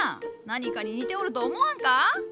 何かに似ておると思わんか？